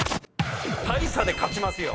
大差で勝ちますよ。